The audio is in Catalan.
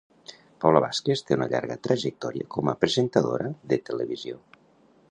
Paula Vázquez té una llarga trajectòria com a presentadora de televisió.